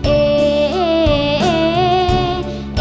เอ่เอ่เออ